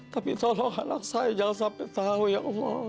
tapi tolong anak saya jangan sampai terlalu ya allah